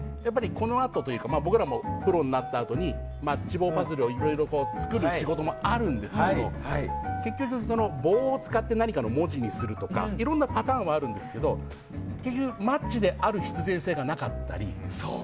僕らもプロになったあとにマッチ棒パズルをいろいろ作る仕事があるんですけど結局、棒を使って何かの文字にするとかいろんなパターンはあるんですけど結局、マッチである必然性がなかったり。